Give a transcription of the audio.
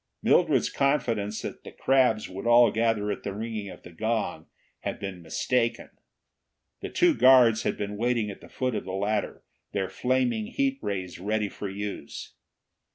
Mildred's confidence that the crabs would all gather at the ringing of the gong had been mistaken. The two guards had been waiting at the foot of the ladder, their flaming heat rays ready for use.